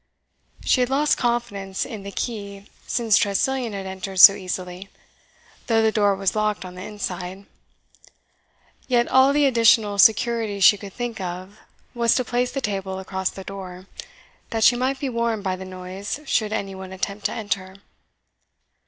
She had lost confidence in the key since Tressilian had entered so easily, though the door was locked on the inside; yet all the additional security she could think of was to place the table across the door, that she might be warned by the noise should any one attempt to enter.